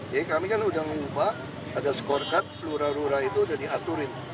jadi kami kan udah mengubah ada skorkat lura lura itu udah diaturin